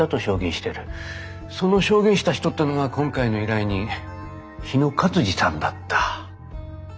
その証言した人ってのが今回の依頼人日野勝次さんだった。